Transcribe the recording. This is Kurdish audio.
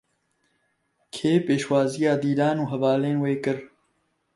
Kê pêşwaziya Dîlan û hevalên wê kir?